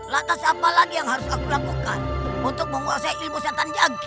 lantas apa lagi yang harus aku lakukan untuk menguasai ilmu setan jangki